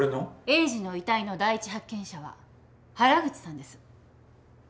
栄治の遺体の第一発見者は原口さんです。